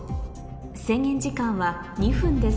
制限時間は２分です